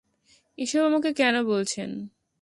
এসব আমাকে কেন বলছেন?